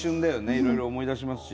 いろいろ思い出しますし。